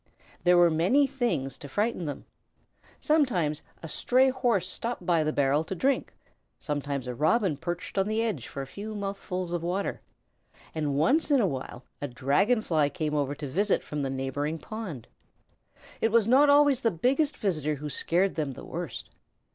There were many things to frighten them. Sometimes a stray Horse stopped by the barrel to drink, sometimes a Robin perched on the edge for a few mouthfuls of water, and once in a while a Dragon Fly came over to visit from the neighboring pond. It was not always the biggest visitor who scared them the worst.